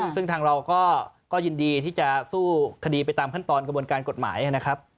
ซึ่งทางเราก็ยินดีที่จะสู้คดีไปตามขั้นตอนกระบวนการกฎหมายนะครับ